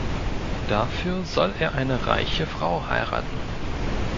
Dafür soll er eine reiche Frau heiraten.